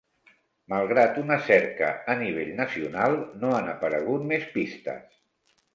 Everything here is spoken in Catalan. Malgrat una cerca a nivell nacional no han aparegut més pistes.